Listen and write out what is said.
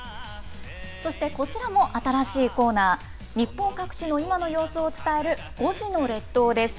そして、こちらも新しいコーナー、日本各地の今の様子を伝える５時の列島です。